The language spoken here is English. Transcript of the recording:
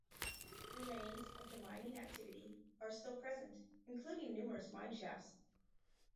Remains of the mining activity are still present including numerous mineshafts.